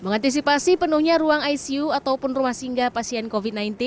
mengantisipasi penuhnya ruang icu ataupun rumah singgah pasien covid sembilan belas